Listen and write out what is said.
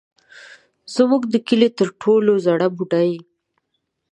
زموږ د کلي تر ټولو زړه بوډۍ.